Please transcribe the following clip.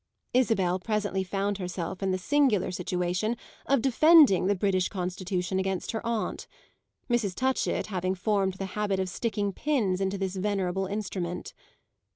Isabel presently found herself in the singular situation of defending the British constitution against her aunt; Mrs. Touchett having formed the habit of sticking pins into this venerable instrument.